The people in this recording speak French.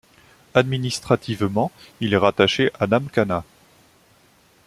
Administrativement il est rattaché à Namkhana.